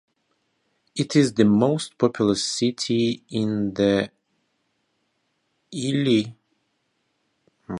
It is the most populous city in the Ili Kazakh Autonomous Prefecture.